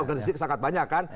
organisasi sangat banyak kan